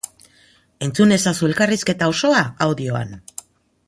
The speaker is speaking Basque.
Entzun ezazu elkarrizketa osoa audioan.